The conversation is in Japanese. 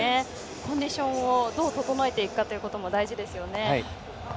コンディションをどう整えていくかも大事ですよね。